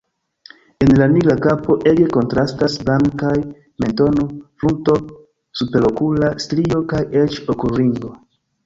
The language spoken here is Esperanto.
En la nigra kapo ege kontrastas blankaj mentono, frunto, superokula strio kaj eĉ okulringo.